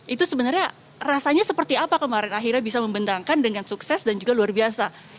itu sebenarnya rasanya seperti apa kemarin akhirnya bisa membendangkan dengan sukses dan juga luar biasa